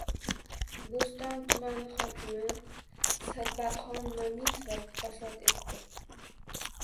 Bo‘ston tumani hokimi Sadbarxon Mamitova vafot etdi